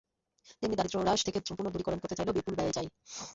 তেমনি দারিদ্র্য হ্রাস থেকে সম্পূর্ণ দূরীকরণ করতে চাইলেও বিপুল ব্যয় চাই।